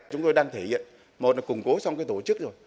chúng tôi đang thể hiện một là củng cố xong cái tổ chức rồi